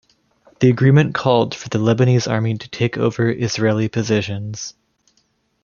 The agreement called for the Lebanese Army to take over Israeli positions.